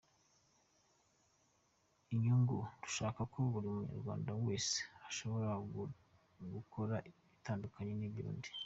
Inyungu dushaka ko buri munyarwanda wese ashoboye gukora bitandukanye n’iby’undi.